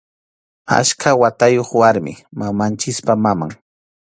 Achka watayuq warmi, mamanchikpa maman.